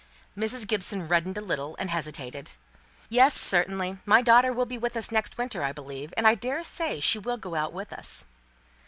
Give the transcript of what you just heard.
Mrs. Gibson reddened a little, and hesitated, "Yes; certainly. My daughter will be with us next winter, I believe; and I daresay she will go out with us."